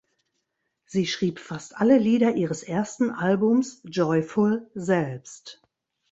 Sie schrieb fast alle Lieder ihres ersten Albums "Joyful" selbst.